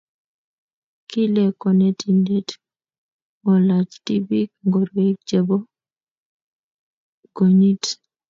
Kile konetindet ngolaach tibiik ngoroik chebo gonyit